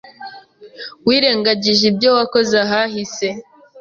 wirengagije ibyo wakoze ahahise.